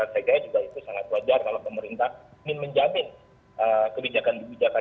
saya kira juga itu sangat wajar kalau pemerintah ingin menjamin kebijakan kebijakan